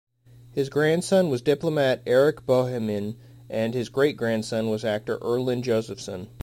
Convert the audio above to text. His grandson was diplomat Erik Boheman and his great-grandson was actor Erland Josephson.